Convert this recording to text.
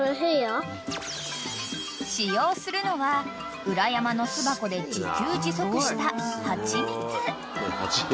［使用するのは裏山の巣箱で自給自足した蜂蜜］